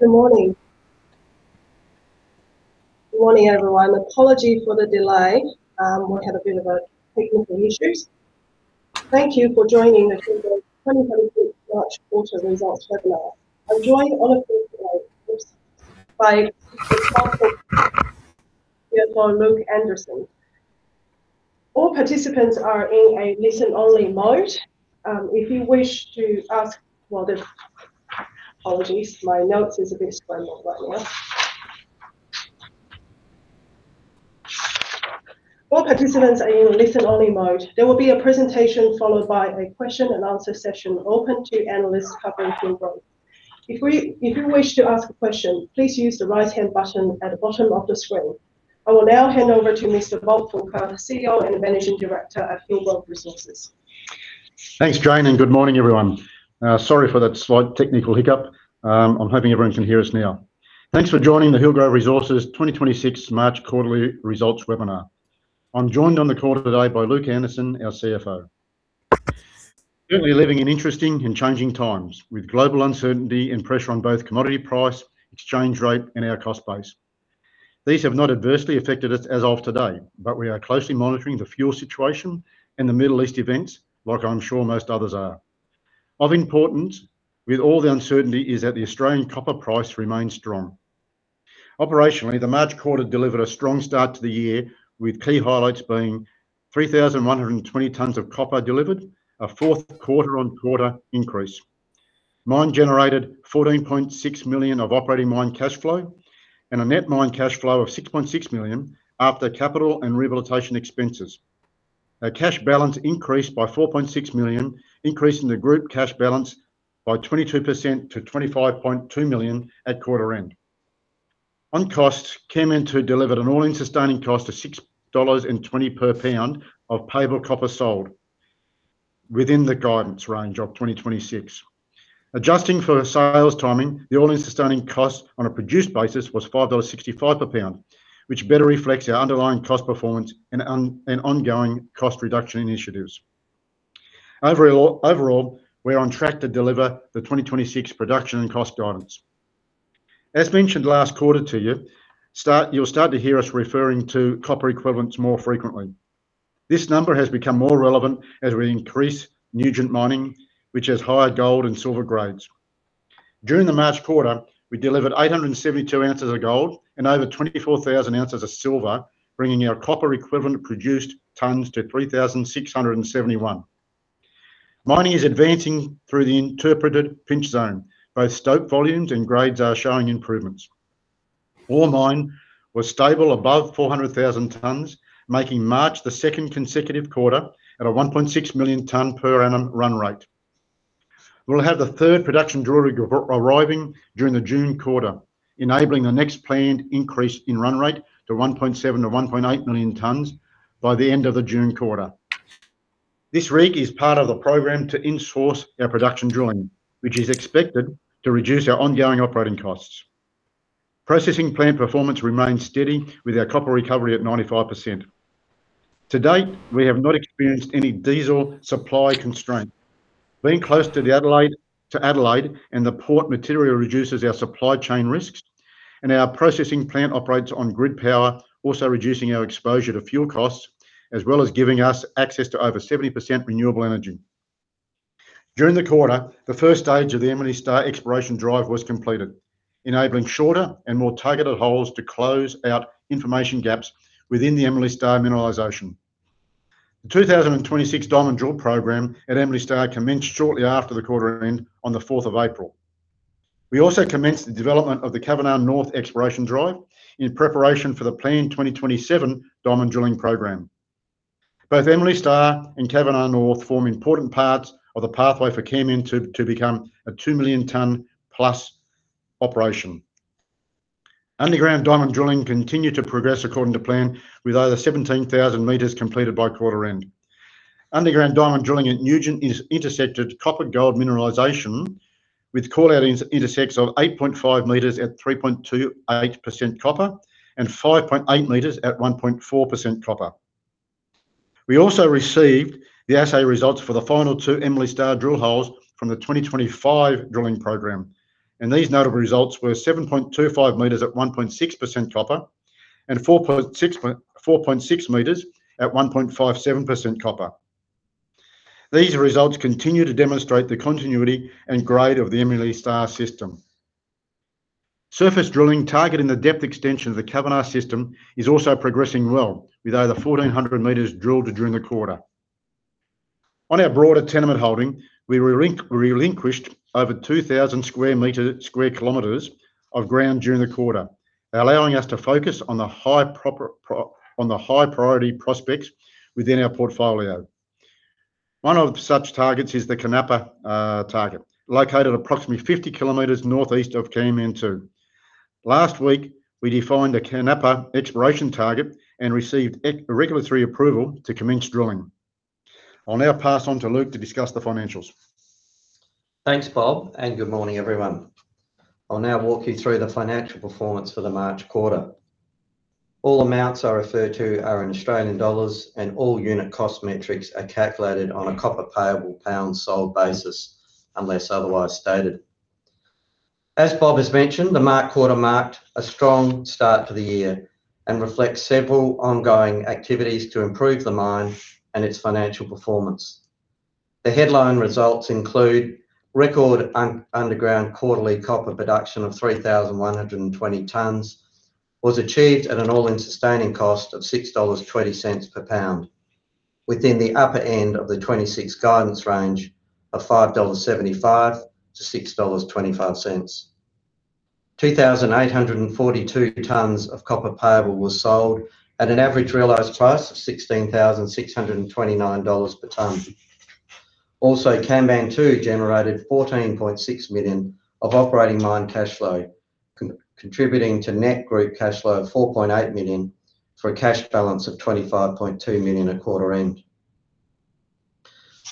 Good morning. Good morning, everyone. Apology for the delay. We had a bit of a technical issue. Thank you for joining the 2026 March quarter results webinar. I'm joined today by CEO and Managing Director Bob Fulker and CFO Luke Anderson. All participants are in a listen-only mode. There will be a presentation followed by a question and answer session open to analysts covering Hillgrove. If you wish to ask a question, please use the right-hand button at the bottom of the screen. I will now hand over to Mr. Bob Fulker, CEO and Managing Director at Hillgrove Resources. Thanks, Jane, and good morning, everyone. Sorry for that slight technical hiccup. I'm hoping everyone can hear us now. Thanks for joining the Hillgrove Resources 2026 March quarterly results webinar. I'm joined on the call today by Luke Anderson, our CFO. Certainly living in interesting and changing times, with global uncertainty and pressure on both commodity price, exchange rate, and our cost base. These have not adversely affected us as of today, but we are closely monitoring the fuel situation and the Middle East events, like I'm sure most others are. Of importance, with all the uncertainty, is that the Australian copper price remains strong. Operationally, the March quarter delivered a strong start to the year, with key highlights being 3,120 tons of copper delivered, a fourth quarter-on-quarter increase. Mine generated 14.6 million of operating mine cash flow and a net mine cash flow of 6.6 million after capital and rehabilitation expenses. Our cash balance increased by 4.6 million, increasing the group cash balance by 22% to 25.2 million at quarter end. On costs, Kanmantoo delivered an all-in sustaining cost of 6.20 dollars per pound of payable copper sold, within the guidance range of 2026. Adjusting for sales timing, the all-in sustaining cost on a produced basis was 5.65 dollars per pound, which better reflects our underlying cost performance and ongoing cost reduction initiatives. Overall, we're on track to deliver the 2026 production and cost guidance. As mentioned last quarter to you'll start to hear us referring to copper equivalents more frequently. This number has become more relevant as we increase Nugent mining, which has higher gold and silver grades. During the March quarter, we delivered 872 ounces of gold and over 24,000 ounces of silver, bringing our copper equivalent produced tons to 3,671. Mining is advancing through the interpreted pinch zone. Both stope volumes and grades are showing improvements. Ore mined was stable above 400,000 tons, making March the second consecutive quarter at a 1.6 million tons per annum run rate. We'll have the third production driller arriving during the June quarter, enabling the next planned increase in run rate to 1.7 million-1.8 million tons by the end of the June quarter. This rig is part of the program to insource our production drilling, which is expected to reduce our ongoing operating costs. Processing plant performance remains steady with our copper recovery at 95%. To date, we have not experienced any diesel supply constraint. Being close to Adelaide and the port material reduces our supply chain risks, and our processing plant operates on grid power, also reducing our exposure to fuel costs, as well as giving us access to over 70% renewable energy. During the quarter, the first stage of the Emily Star exploration drive was completed, enabling shorter and more targeted holes to close out information gaps within the Emily Star mineralization. The 2026 diamond drill program at Emily Star commenced shortly after the quarter end on the 4th of April. We also commenced the development of the Kavanagh North exploration drive in preparation for the planned 2027 diamond drilling program. Both Emily Star and Kavanagh North form important parts of the pathway for Kanmantoo to become a 2 million ton+ operation. Underground diamond drilling continued to progress according to plan with over 17,000 meters completed by quarter end. Underground diamond drilling at Nugent has intercepted copper-gold mineralization with core intercepts of 8.5 m at 3.28% copper and 5.8 m at 1.4% copper. We also received the assay results for the final two Emily Star drill holes from the 2025 drilling program, and these notable results were 7.25 m at 1.6% copper and 4.6 m at 1.57% copper. These results continue to demonstrate the continuity and grade of the Emily Star system. Surface drilling targeting the depth extension of the Kavanagh system is also progressing well, with over 1,400 m drilled during the quarter. On our broader tenement holding, we relinquished over 2,000 sq km of ground during the quarter, allowing us to focus on the high priority prospects within our portfolio. One such target is the Kanappa target, located approximately 50 km northeast of Kanmantoo. Last week, we defined a Kanappa exploration target and received regulatory approval to commence drilling. I'll now pass on to Luke to discuss the financials. Thanks, Bob, and good morning, everyone. I'll now walk you through the financial performance for the March quarter. All amounts I refer to are in Australian dollars and all unit cost metrics are calculated on a copper payable pound sold basis unless otherwise stated. As Bob has mentioned, the March quarter marked a strong start to the year and reflects several ongoing activities to improve the mine and its financial performance. The headline results include record underground quarterly copper production of 3,120 tons was achieved at an all-in sustaining cost of 6.20 dollars per pound, within the upper end of the 2026 guidance range of 5.75-6.25 dollars. 2,842 tons of copper payable was sold at an average realized price of 16,629 dollars per ton. Also, Kanmantoo generated 14.6 million of operating mine cash flow, contributing to net group cash flow of 4.8 million for a cash balance of 25.2 million at quarter end.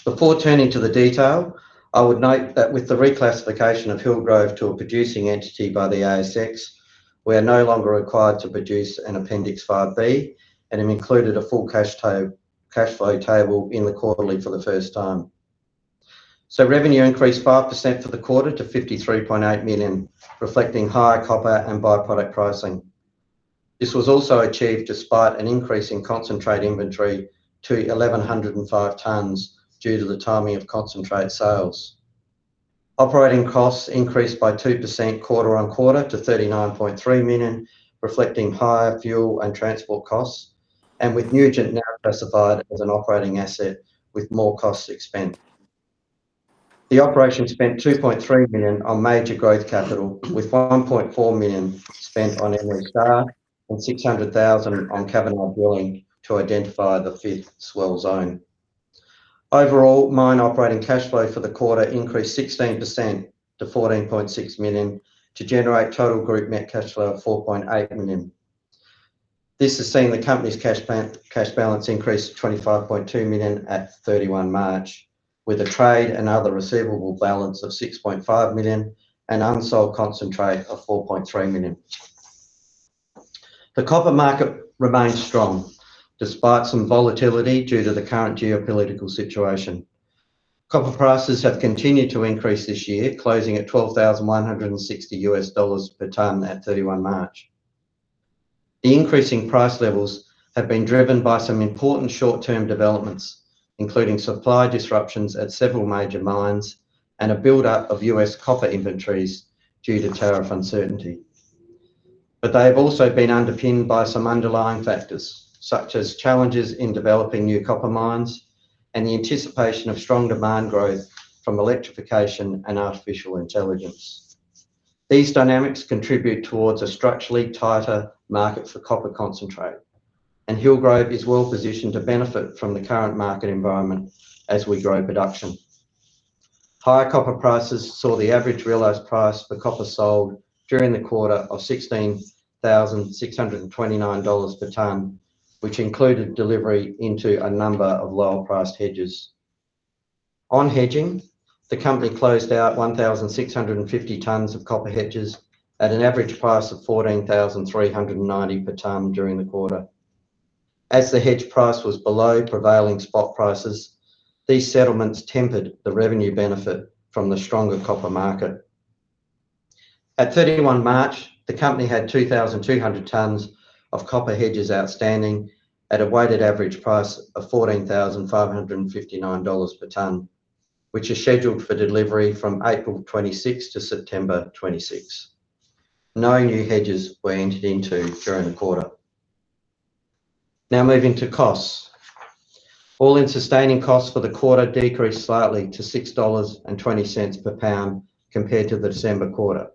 Before turning to the detail, I would note that with the reclassification of Hillgrove to a producing entity by the ASX, we are no longer required to produce an Appendix 5B and have included a full cash flow table in the quarterly for the first time. Revenue increased 5% for the quarter to 53.8 million, reflecting higher copper and by-product pricing. This was also achieved despite an increase in concentrate inventory to 1,105 tons due to the timing of concentrate sales. Operating costs increased by 2% quarter-over-quarter to 39.3 million, reflecting higher fuel and transport costs, and with Nugent now classified as an operating asset with more costs to expend. The operation spent 2.3 million on major growth capital, with 1.4 million spent on Emily Star and 600,000 on Kavanagh Drilling to identify the fifth swell zone. Overall, mine operating cash flow for the quarter increased 16% to 14.6 million to generate total group net cash flow of 4.8 million. This has seen the company's cash balance increase to 25.2 million at 31 March, with a trade and other receivable balance of 6.5 million and unsold concentrate of 4.3 million. The copper market remains strong despite some volatility due to the current geopolitical situation. Copper prices have continued to increase this year, closing at $12,160 per ton at 31 March. The increasing price levels have been driven by some important short-term developments, including supply disruptions at several major mines and a buildup of U.S. copper inventories due to tariff uncertainty. They have also been underpinned by some underlying factors, such as challenges in developing new copper mines and the anticipation of strong demand growth from electrification and artificial intelligence. These dynamics contribute towards a structurally tighter market for copper concentrate and Hillgrove is well positioned to benefit from the current market environment as we grow production. Higher copper prices saw the average realized price for copper sold during the quarter of $16,629 per ton, which included delivery into a number of lower priced hedges. On hedging, the company closed out 1,650 tons of copper hedges at an average price of $14,390 per ton during the quarter. As the hedge price was below prevailing spot prices, these settlements tempered the revenue benefit from the stronger copper market. At 31 March, the company had 2,200 tons of copper hedges outstanding at a weighted average price of $14,559 per ton, which is scheduled for delivery from April 26 to September 26. No new hedges were entered into during the quarter. Now moving to costs. All-in sustaining costs for the quarter decreased slightly to 6.20 dollars per pound compared to the December quarter.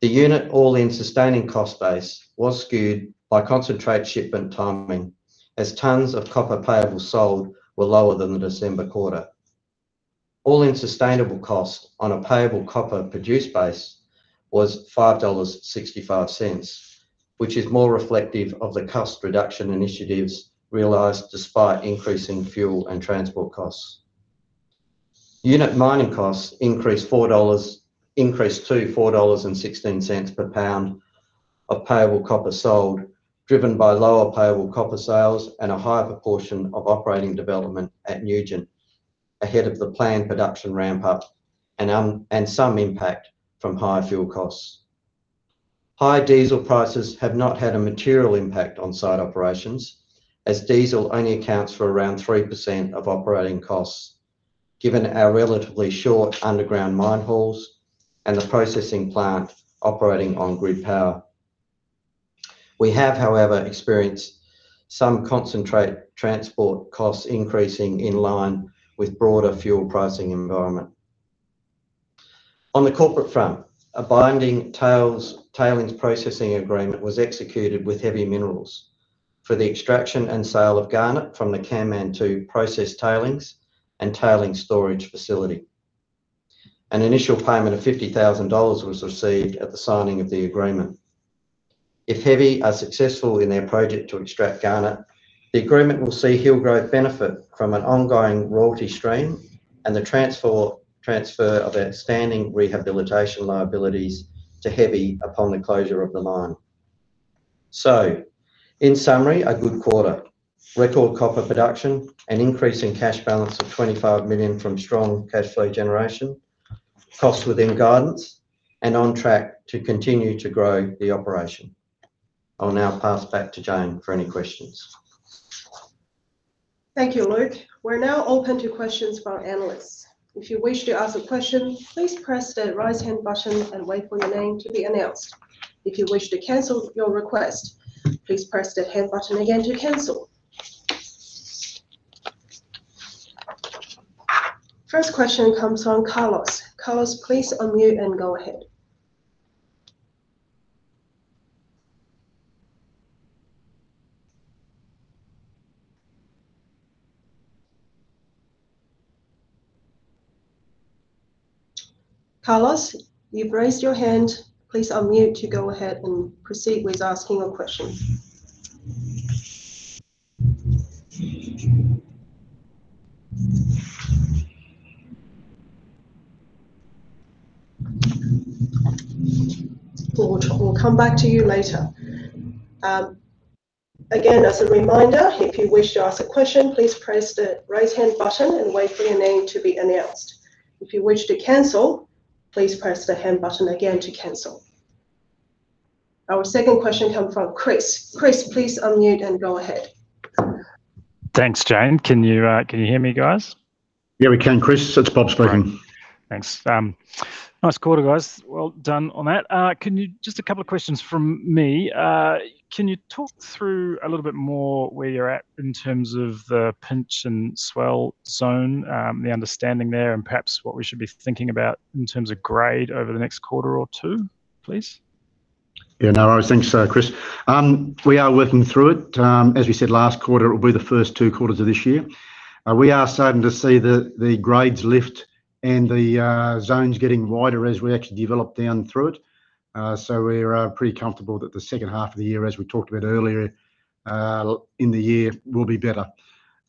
The unit all-in sustaining cost base was skewed by concentrate shipment timing, as tons of payable copper sold were lower than the December quarter. All-in sustaining cost on a payable copper produced base was 5.65 dollars, which is more reflective of the cost reduction initiatives realized despite increasing fuel and transport costs. Unit mining costs increased to 4.16 dollars per pound of payable copper sold, driven by lower payable copper sales and a higher proportion of operating development at Nugent ahead of the planned production ramp up and some impact from higher fuel costs. Higher diesel prices have not had a material impact on site operations as diesel only accounts for around 3% of operating costs, given our relatively short underground mine hauls and the processing plant operating on grid power. We have, however, experienced some concentrate transport costs increasing in line with broader fuel pricing environment. On the corporate front, a binding tailings processing agreement was executed with Heavy Minerals for the extraction and sale of garnet from the Kanmantoo process tailings and tailings storage facility. An initial payment of 50,000 dollars was received at the signing of the agreement. If Heavy are successful in their project to extract garnet, the agreement will see Hillgrove benefit from an ongoing royalty stream. The transfer of our standing rehabilitation liabilities to Heavy upon the closure of the mine. In summary, a good quarter. Record copper production. An increase in cash balance of 25 million from strong cash flow generation. Costs within guidance, and on track to continue to grow the operation. I'll now pass back to Jane for any questions. Thank you, Luke. We're now open to questions from our analysts. If you wish to ask a question, please press the raise hand button and wait for your name to be announced. If you wish to cancel your request, please press the hand button again to cancel. First question comes from Carlos. Carlos, please unmute and go ahead. Carlos, you've raised your hand, please unmute to go ahead and proceed with asking a question. Or we'll come back to you later. Again, as a reminder, if you wish to ask a question, please press the raise hand button and wait for your name to be announced. If you wish to cancel, please press the hand button again to cancel. Our second question come from Chris. Chris, please unmute and go ahead. Thanks, Jane. Can you hear me, guys? Yeah, we can, Chris. It's Bob speaking. Great. Thanks. Nice quarter, guys. Well done on that. Just a couple of questions from me. Can you talk through a little bit more where you're at in terms of the pinch-and-swell zone, the understanding there, and perhaps what we should be thinking about in terms of grade over the next quarter or two, please? Yeah, no worries. Thanks, Chris. We are working through it. As we said last quarter, it will be the first two quarters of this year. We are starting to see the grades lift and the zones getting wider as we actually develop down through it. We're pretty comfortable that the second half of the year, as we talked about earlier in the year, will be better.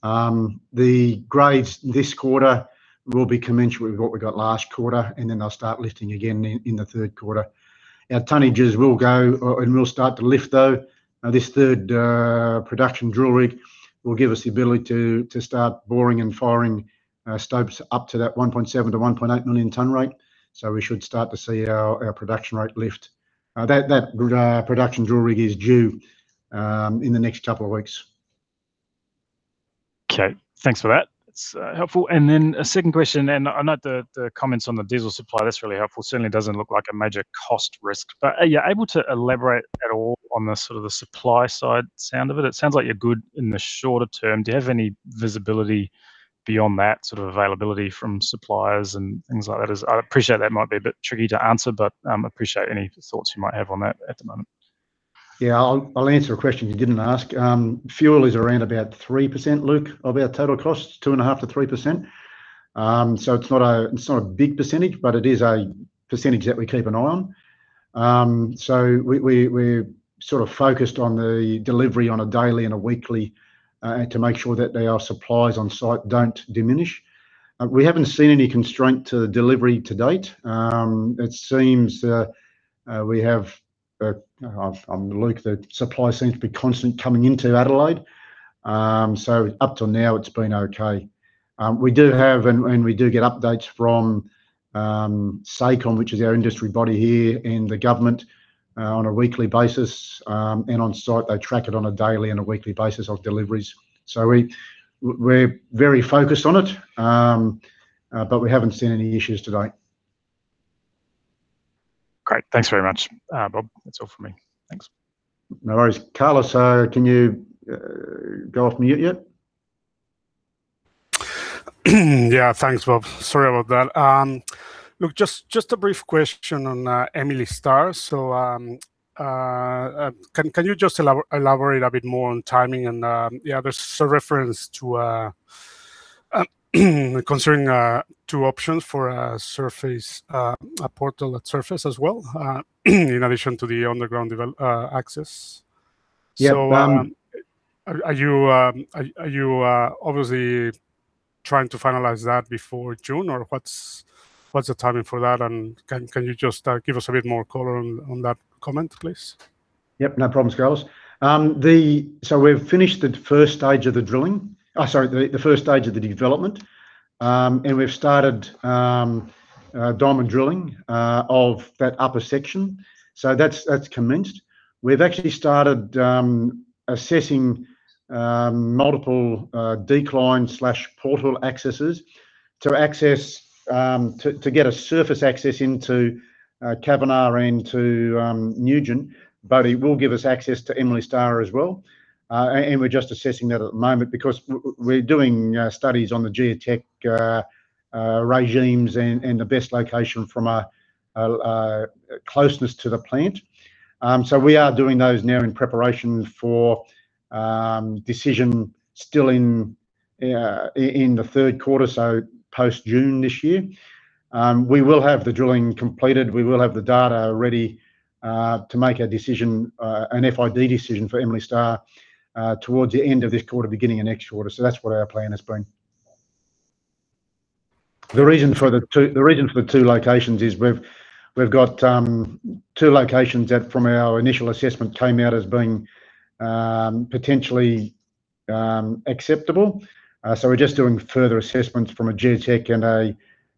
The grades this quarter will be commensurate with what we got last quarter, and then they'll start lifting again in the third quarter. Our tonnages will go and will start to lift, though. This third production drill rig will give us the ability to start boring and firing stopes up to that 1.7 million-1.8 million ton rate. We should start to see our production rate lift. That production drill rig is due in the next couple of weeks. Okay. Thanks for that. That's helpful. A second question, and I note the comments on the diesel supply. That's really helpful. Certainly doesn't look like a major cost risk, but are you able to elaborate at all on the supply side from the sound of it? It sounds like you're good in the shorter term. Do you have any visibility beyond that sort of availability from suppliers and things like that? I appreciate that might be a bit tricky to answer, but appreciate any thoughts you might have on that at the moment. Yeah, I'll answer a question you didn't ask. Fuel is around about 3%, Luke, of our total costs, 2.5%-3%. It's not a big percentage, but it is a percentage that we keep an eye on. We're sort of focused on the delivery on a daily and a weekly to make sure that our supplies on site don't diminish. We haven't seen any constraint to the delivery to date. It seems from Luke, the supply seems to be constant coming into Adelaide. Up till now, it's been okay. We do have and we do get updates from SACOME, which is our industry body here in the government, on a weekly basis. On site, they track it on a daily and a weekly basis of deliveries. We're very focused on it, but we haven't seen any issues to date. Great. Thanks very much, Bob. That's all from me. Thanks. No worries. Carlos, can you go off mute yet? Yeah. Thanks, Bob. Sorry about that. Look, just a brief question on Emily Star. Can you just elaborate a bit more on timing and, yeah, there's a reference to considering two options for a portal at surface as well, in addition to the underground access. Yeah. Are you obviously trying to finalize that before June or what's the timing for that and can you just give us a bit more color on that comment, please? Yep. No problems, Carlos. We've finished the first stage of the drilling. Sorry, the first stage of the development. We've started diamond drilling of that upper section. That's commenced. We've actually started assessing multiple decline/portal accesses to get a surface access into Kanmantoo and to Nugent. It will give us access to Emily Star as well. We're just assessing that at the moment because we're doing studies on the geotech regimes and the best location from a closeness to the plant. We are doing those now in preparation for decision still in the third quarter, so post-June this year. We will have the drilling completed. We will have the data ready to make a decision, an FID decision, for Emily Star towards the end of this quarter, beginning of next quarter. That's what our plan has been. The reason for the two locations is we've got two locations that from our initial assessment came out as being potentially acceptable. We're just doing further assessments from a geotech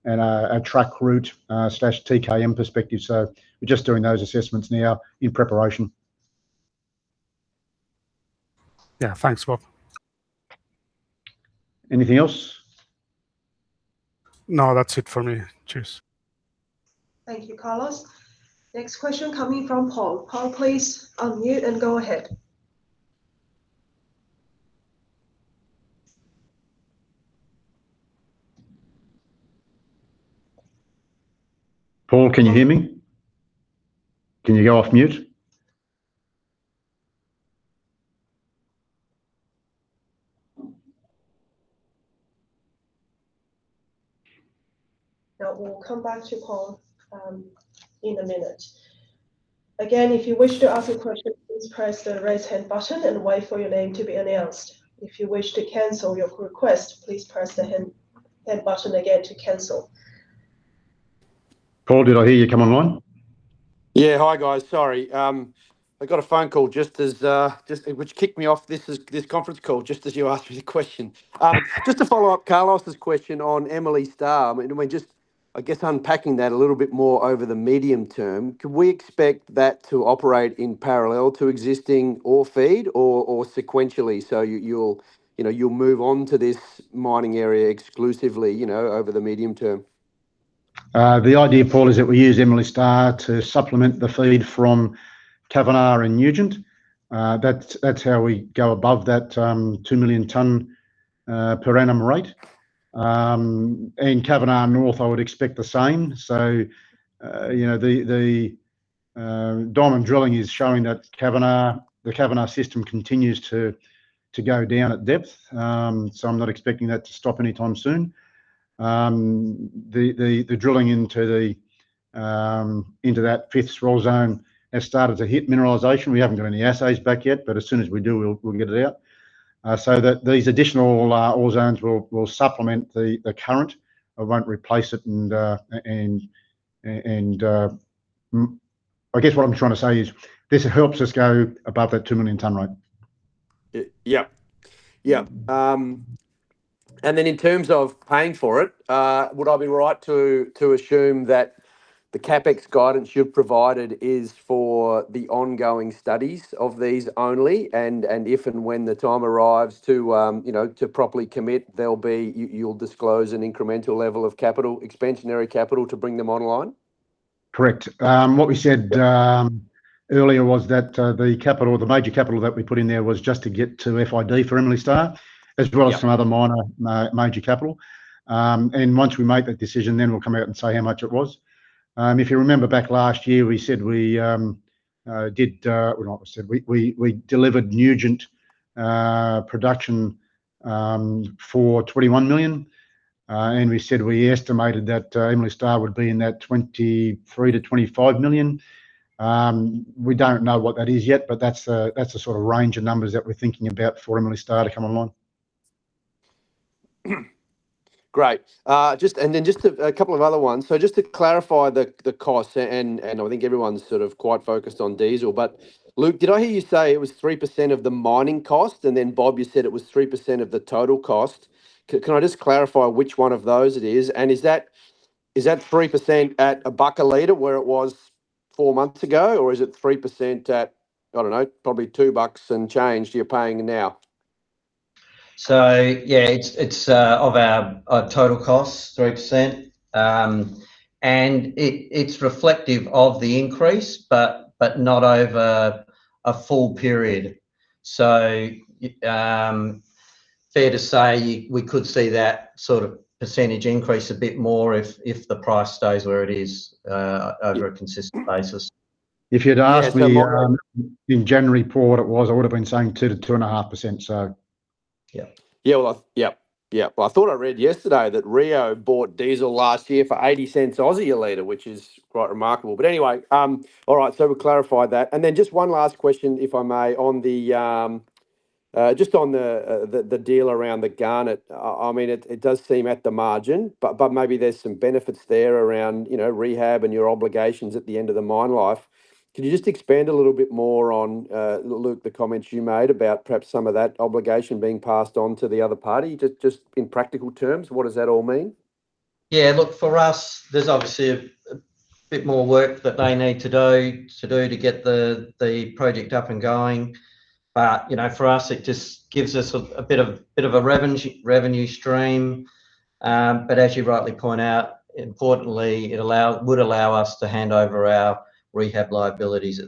and a track route/TKM perspective. We're just doing those assessments now in preparation. Yeah. Thanks, Bob. Anything else? No, that's it from me. Cheers. Thank you, Carlos. Next question coming from Paul. Paul, please unmute and go ahead. Paul, can you hear me? Can you go off mute? No. We'll come back to Paul in a minute. Again, if you wish to ask a question, please press the Raise Hand button and wait for your name to be announced. If you wish to cancel your request, please press the Hand button again to cancel. Paul, did I hear you come online? Yeah. Hi, guys. Sorry. I got a phone call, which kicked me off this conference call just as you asked me the question. Just to follow up Carlos's question on Emily Star, and we're just, I guess, unpacking that a little bit more over the medium-term, can we expect that to operate in parallel to existing ore feed or sequentially so you'll move on to this mining area exclusively over the medium term? The idea, Paul, is that we use Emily Star to supplement the feed from Kavanagh and Nugent. That's how we go above that 2 million ton per annum rate. In Kavanagh North, I would expect the same. The diamond drilling is showing that the Kavanagh system continues to go down at depth. I'm not expecting that to stop anytime soon. The drilling into that fifth ore zone has started to hit mineralization. We haven't got any assays back yet, but as soon as we do, we'll get it out. These additional ore zones will supplement the current. It won't replace it. I guess what I'm trying to say is this helps us go above that 2 million ton rate. Yep. In terms of paying for it, would I be right to assume that the CapEx guidance you've provided is for the ongoing studies of these only? If and when the time arrives to properly commit, you'll disclose an incremental level of expansionary capital to bring them online? Correct. What we said earlier was that the major capital that we put in there was just to get to FID for Emily Star. Yep As well as some other minor, major capital. Once we make that decision, then we'll come out and say how much it was. If you remember back last year, we delivered Nugent production for 21 million. We said we estimated that Emily Star would be in that 23 million-25 million. We don't know what that is yet, but that's the sort of range of numbers that we're thinking about for Emily Star to come online. Great. Just a couple of other ones. Just to clarify the costs, and I think everyone's sort of quite focused on diesel, but Luke, did I hear you say it was 3% of the mining cost? Bob, you said it was 3% of the total cost. Can I just clarify which one of those it is? Is that 3% at AUD 1 a liter where it was four months ago? Or is it 3% at, I don't know, probably 2 bucks and change you're paying now? Yeah, it's 3% of our total cost. It's reflective of the increase, but not over a full period. Fair to say, we could see that sort of percentage increase a bit more if the price stays where it is, over a consistent basis. If you'd asked me. Yeah. In January, Paul, what it was, I would've been saying 2%-2.5%, so. Yep. Yeah. I thought I read yesterday that Rio bought diesel last year for 0.80 a liter, which is quite remarkable. Anyway, all right. We clarified that. Just one last question, if I may. Just on the deal around the garnet. It does seem at the margin, but maybe there's some benefits there around rehab and your obligations at the end of the mine life. Can you just expand a little bit more on, Luke, the comments you made about perhaps some of that obligation being passed on to the other party? Just in practical terms, what does that all mean? Yeah, look, for us, there's obviously a bit more work that they need to do, to get the project up and going. For us, it just gives us a bit of a revenue stream. As you rightly point out, importantly, it would allow us to hand over our rehab liabilities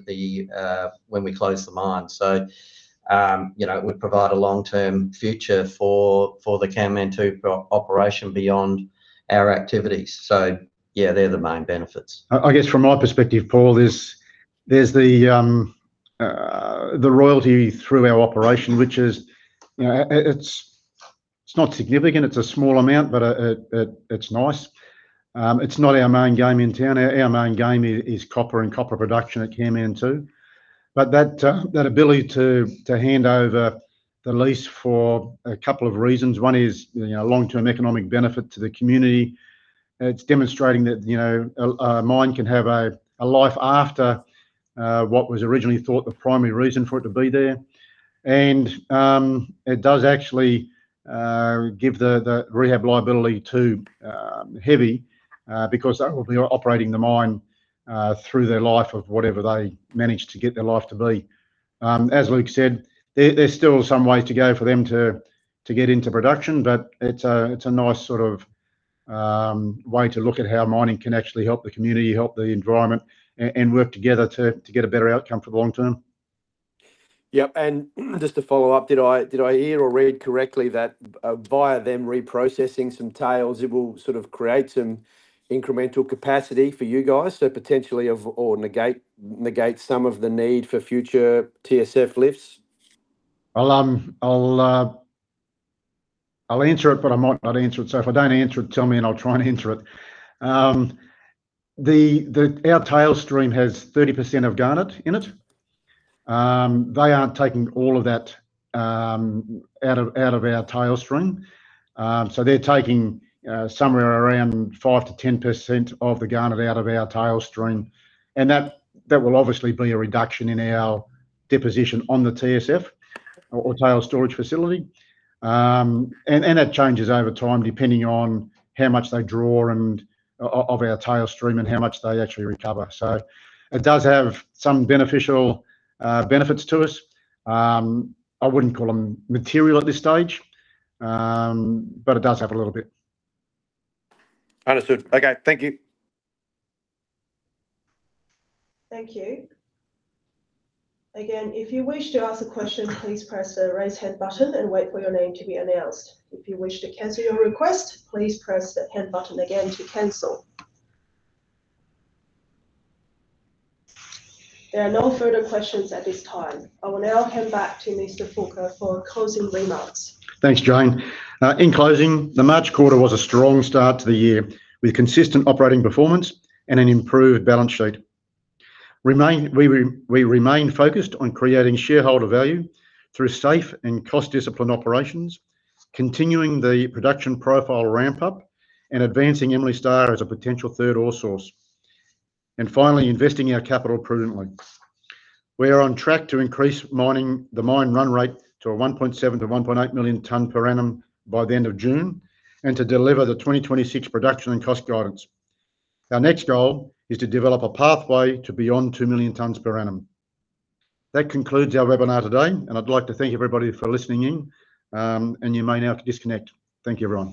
when we close the mine. It would provide a long-term future for the Kanmantoo operation beyond our activities. Yeah, they're the main benefits. I guess from my perspective, Paul, there's the royalty through our operation, which is, it's not significant. It's a small amount, but it's nice. It's not our main game in town. Our main game is copper and copper production at Kanmantoo. But that ability to hand over the lease for a couple of reasons. One is long-term economic benefit to the community. It's demonstrating that a mine can have a life after what was originally thought the primary reason for it to be there. It does actually give the rehab liability to Heavy Minerals, because they will be operating the mine through their life of whatever they manage to get their life to be. As Luke said, there's still some way to go for them to get into production, but it's a nice sort of way to look at how mining can actually help the community, help the environment, and work together to get a better outcome for the long term. Yep. Just to follow up, did I hear or read correctly that via them reprocessing some tails, it will sort of create some incremental capacity for you guys, so potentially negate some of the need for future TSF lifts? I'll answer it, but I might not answer it. If I don't answer it, tell me and I'll try and answer it. Our tailings stream has 30% of garnet in it. They aren't taking all of that out of our tailings stream. They're taking somewhere around 5%-10% of the garnet out of our tailings stream. That will obviously be a reduction in our deposition on the TSF or tailings storage facility. It changes over time depending on how much they draw of our tailings stream and how much they actually recover. It does have some beneficial benefits to us. I wouldn't call them material at this stage, but it does have a little bit. Understood. Okay. Thank you. Thank you. Again, if you wish to ask a question, please press the Raise Hand button and wait for your name to be announced. If you wish to cancel your request, please press the Hand button again to cancel. There are no further questions at this time. I will now hand back to Mr. Fulker for closing remarks. Thanks, Jane. In closing, the March quarter was a strong start to the year, with consistent operating performance and an improved balance sheet. We remain focused on creating shareholder value through safe and cost discipline operations, continuing the production profile ramp-up and advancing Emily Star as a potential third ore source. Finally, investing our capital prudently. We are on track to increase the mine run rate to a 1.7 million-1.8 million ton per annum by the end of June, and to deliver the 2026 production and cost guidance. Our next goal is to develop a pathway to beyond two million tons per annum. That concludes our webinar today, and I'd like to thank everybody for listening in, and you may now disconnect. Thank you, everyone.